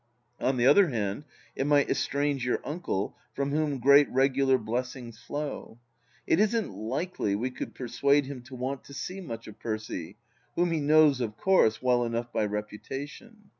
On the other hand, it might estrange your uncle, from whom great regular blessings flow. It isn't likely we could persuade him to want to see much of Percy, whom he knows, of course, well enough by reputation.